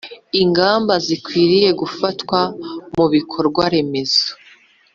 ingamba zikwiye gufatwa mu bikorwaremezo